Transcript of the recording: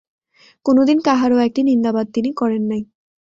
কোনদিন কাহারও একটি নিন্দাবাদ তিনি করেন নাই।